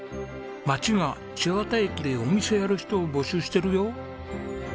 「町が千綿駅でお店やる人を募集してるよ」。